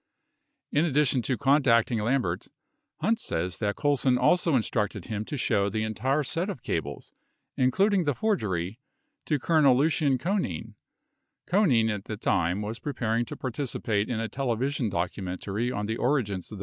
49 In addition to contacting Lambert, Hunt says that Colson also in structed him to show the entire set of cables, including the forgery, to Col. Lucien Conein. 50 Conein at the time was preparing to partic ipate in a television documentary on the origins of the.